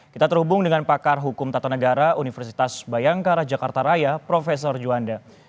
kita terhubung dengan pakar hukum tata negara universitas bayangkara jakarta raya prof juanda